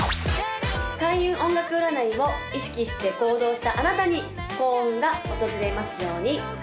開運音楽占いを意識して行動したあなたに幸運が訪れますように！